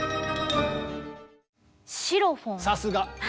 さすが！